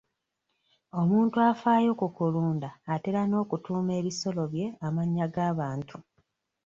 Omuntu afaayo ku kulunda atera n'okutuuma ebisolo bye amannya g'abantu.